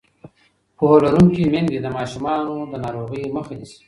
پوهه لرونکې میندې د ماشومانو د ناروغۍ مخه نیسي.